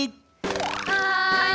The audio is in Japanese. はい！